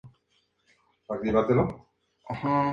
Además de dar consejos para la belleza y las manualidades.